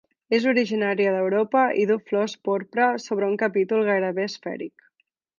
És originària d'Europa i du flors porpra sobre un capítol gairebé esfèric.